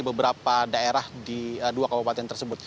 beberapa daerah di dua kabupaten tersebut